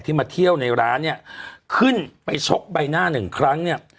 มาเที่ยวในร้านเนี่ยขึ้นไปชกใบหน้าหนึ่งครั้งเนี่ย